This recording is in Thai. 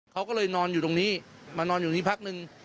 เขาก็เลยนอนอยู่ตรงนี้มานอนอยู่นี้พักนึง